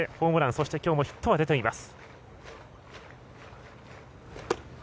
そしてきょうもヒットは出ています。